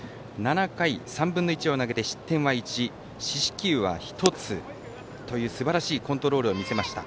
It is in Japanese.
７回３分の１を投げて失点は１四死球は１つというすばらしいコントロールを見せました。